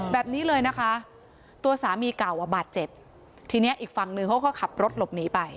แบบนี้เลยนะคะตัวสามีเก่าอ่ะบาดเจ็บทีเนี้ยอีกฝั่งหนึ่งเขาก็ขับรถหลบหนีไป